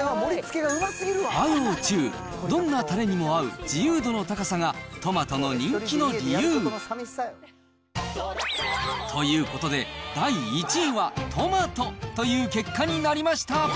和洋中、どんなたれにも合う自由度の高さが、トマトの人気の理由。ということで、第１位は、トマトという結果になりました。